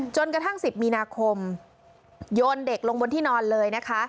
กระทั่ง๑๐มีนาคมโยนเด็กลงบนที่นอนเลยนะคะ